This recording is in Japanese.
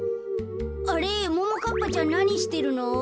あれももかっぱちゃんなにしてるの？